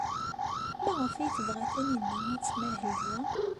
Maɣef ay tebɣa Taninna ad tmahel da?